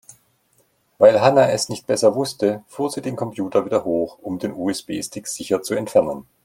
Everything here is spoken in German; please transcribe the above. Weil Hanna es nicht besser wusste, fuhr sie den Computer wieder hoch, um den USB-Stick sicher zu entfernen.